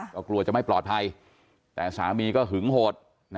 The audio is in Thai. ก็กลัวจะไม่ปลอดภัยแต่สามีก็หึงโหด